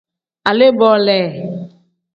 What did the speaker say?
Alee-bo le.